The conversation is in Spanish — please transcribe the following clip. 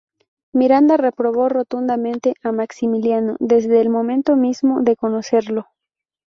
Miranda reprobó rotundamente a Maximiliano desde el momento mismo de conocerlo.